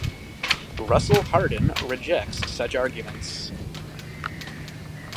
Russell Hardin rejects such arguments.